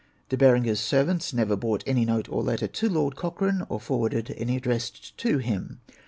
De Berenger's servants never brought any note or letter to Lord Cochrane, or forw^arded any addressed to him.